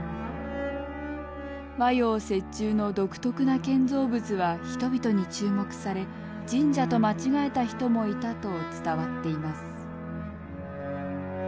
和洋折衷の独特な建造物は人々に注目され神社と間違えた人もいたと伝わっています。